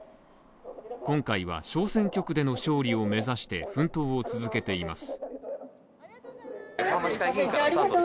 今回は、小選挙区での勝利を目指して、奮闘を続けています。